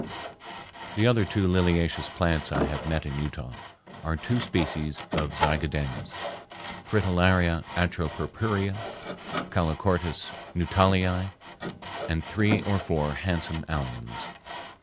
The other liliaceous plants I have met in Utah are two species of zigadenas, Fritillaria atropurpurea, Calochortus Nuttallii, and three or four handsome alliums.